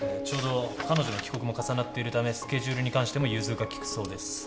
ちょうど彼女の帰国も重なっているためスケジュールに関しても融通が利くそうです